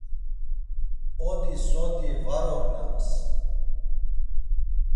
Odi sodi var ognams.